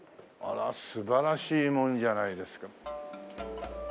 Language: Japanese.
あら素晴らしいものじゃないですか。